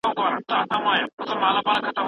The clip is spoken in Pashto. يو نړيوال حکومت کولای سي سوله راولي.